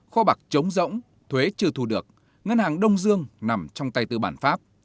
khó bạc trống rỗng thuế chưa thu được ngân hàng đông dương nằm trong tay tư bản pháp